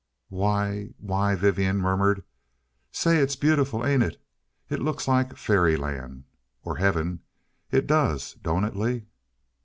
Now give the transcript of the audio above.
"Why why," Vivian murmured, "say, it's beautiful, ain't it? It looks like fairyland or Heaven. It does don't it, Lee?"